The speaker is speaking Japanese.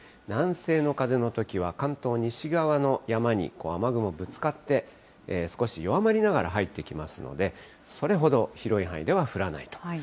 南西の風のときは、関東、西側の山に雨雲ぶつかって、少し弱まりながら入ってきますので、それほど広い範囲では降らないと。